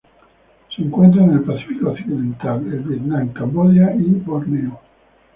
Se encuentra en el Pacífico occidental: el Vietnam, Camboya y Borneo.